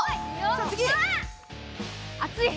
はい！